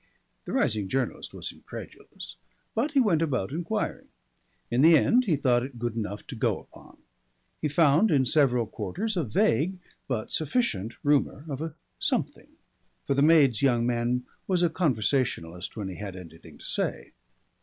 The rising journalist was incredulous. But he went about enquiring. In the end he thought it good enough to go upon. He found in several quarters a vague but sufficient rumour of a something; for the maid's young man was a conversationalist when he had anything to say.